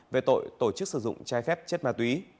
về tội tổ chức sử dụng trái phép chất ma túy